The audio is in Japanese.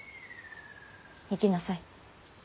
行きなさい。